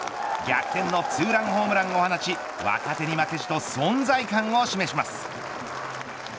逆転のツーランホームランを放ち若手に負けじと存在感を示します。